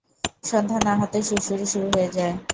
সন্ধা না হতেই সুড়সুড়ি শুরু হয়ে যায়!